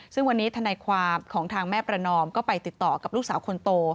ซึ่งวันนี้ทนายความของทางแม่ประนอมก็ไปติดต่อกับลูกสาวคนโต